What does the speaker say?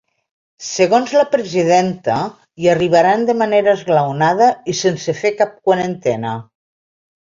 Segons la presidenta, hi arribaran de manera esglaonada i sense fer cap quarantena.